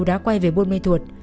đã quay về buôn mệt thuật